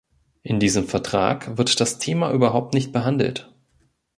In diesem Vertrag wird das Thema überhaupt nicht behandelt.